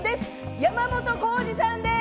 山本耕史さんです。